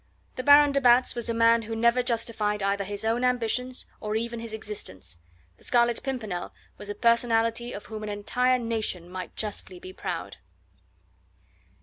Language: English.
The Baron de Batz was a man who never justified either his own ambitions or even his existence; the Scarlet Pimpernel was a personality of whom an entire nation might justly be proud.